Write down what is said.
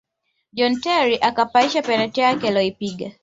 john terry akapaisha penati yake aliyopiga